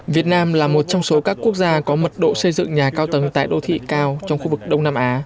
việt nam là một trong số các quốc gia có mật độ xây dựng nhà cao tầng tại đô thị cao trong khu vực đông nam á